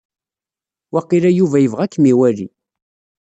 Waqila Yuba ibɣa ad akem-iwali.